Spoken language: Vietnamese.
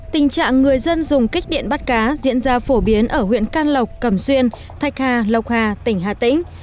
tình trạng người dân dùng kích điện bắt cá diễn ra phổ biến ở huyện can lộc cẩm xuyên thạch hà lộc hà tỉnh hà tĩnh